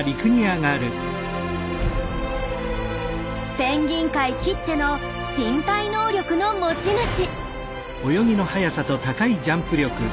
ペンギン界きっての身体能力の持ち主。